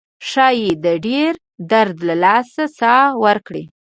ښایي د ډیر درد له لاسه ساه ورکړي.